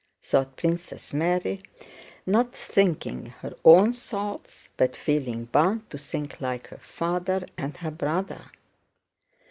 thought Princess Mary, not thinking her own thoughts but feeling bound to think like her father and her brother.